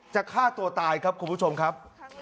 จะฆ่าตัวตายครับคุณผู้ชมครับ